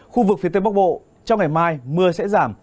khu vực phía tây bắc bộ trong ngày mai mưa sẽ giảm